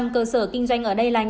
tám mươi cơ sở kinh doanh ở đây lành